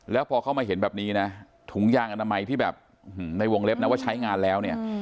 แล้วพอเข้ามาเห็นแบบนี้นะถุงยางอนามัยที่แบบในวงเล็บนะว่าใช้งานแล้วเนี่ย